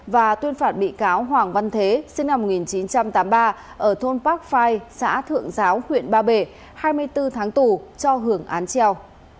và tuyên phạt bị cáo hoàng văn thế sinh năm một nghìn chín trăm tám mươi ba ở thôn park phai xã thượng giáo huyện ba bể hai mươi bốn tháng tù cho hưởng án treo